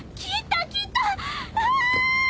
うわ！